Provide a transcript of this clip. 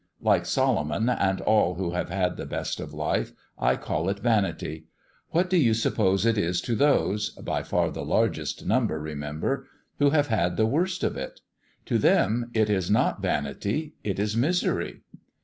Like Solomon, and all who have had the best of life, I call it vanity. What do you suppose it is to those by far the largest number, remember who have had the worst of it? To them it is not vanity, it is misery."